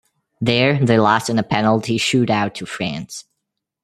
There, they lost in a penalty shootout to France.